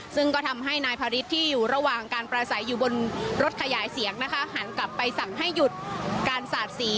ซึ่งก็ทำให้นายพาริสที่อยู่ระหว่างการประสัยอยู่บนรถขยายเสียงนะคะหันกลับไปสั่งให้หยุดการสาดสี